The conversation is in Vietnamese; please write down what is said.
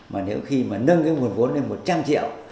mà nếu khi mà nâng cái nguồn vốn lên một trăm linh triệu